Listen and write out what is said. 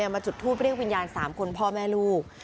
มาจุดทูปเรียกวิญญาณ๓คนพ่อแม่ลูก